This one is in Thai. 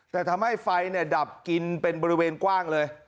แต่ทำให้ไฟดับกินเป็นบริเวณกว้างเลย